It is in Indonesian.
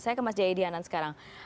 saya ke mas jaya dihanan sekarang